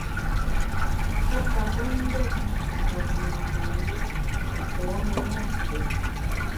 Pe ka pe ndét nda nâmemgbié pô ne monku.